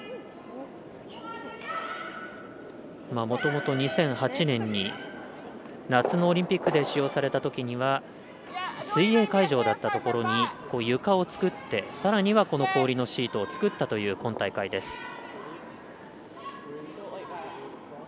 もともと２００８年に夏のオリンピックで使用されたときには水泳会場だったところに床を作ってさらにはこの氷のシートを作ったという今大会です。